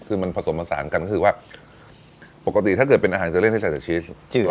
คือมันผสมผสานกันก็คือว่าปกติถ้าเกิดเป็นอาหารจะเล่นให้ใส่แต่ชีส